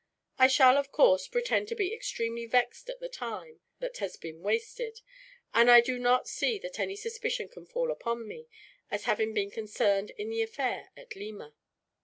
I shall, of course, pretend to be extremely vexed at the time that has been wasted; and I do not see that any suspicion can fall upon me, as having been concerned in the affair at Lima.